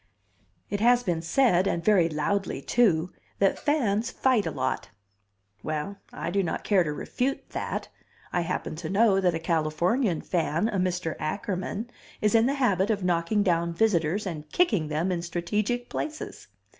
It has been said (and very loudly, too) that fans fight a lot. Well, I do not care to refute that; I happen to know that a Californian fan, a Mr. Ackerman, is in the habit of knocking down visitors and kicking them in strategic places.